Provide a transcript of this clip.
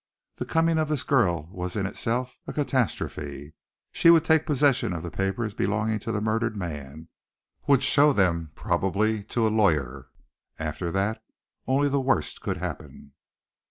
The coming of this girl was in itself a catastrophe. She would take possession of the papers belonging to the murdered man, would show them, probably, to a lawyer. After that, only the worst could happen!